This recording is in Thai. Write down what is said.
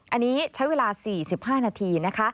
อันนี้ใช้เวลา๔๕นาที